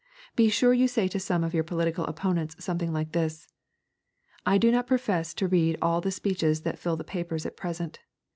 Be sure you say to some of your political opponents something like this: 'I do not profess to read all the speeches that fill the papers at present.